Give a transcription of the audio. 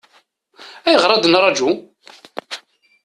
Ayɣer ad nraju?